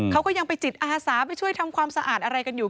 เขาก็ยังไปจิตอาสาไปช่วยทำความสะอาดอะไรกันอยู่